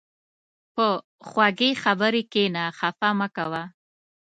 په خوږې خبرې کښېنه، خفه مه کوه.